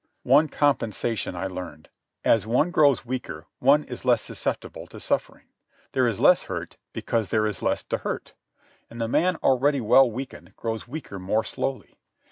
One compensation I learned. As one grows weaker one is less susceptible to suffering. There is less hurt because there is less to hurt. And the man already well weakened grows weaker more slowly.